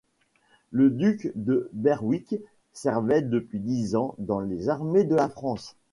Le duc de Berwick servait depuis dix ans dans les armées de la France.